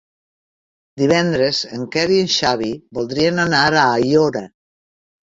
Divendres en Quer i en Xavi voldrien anar a Aiora.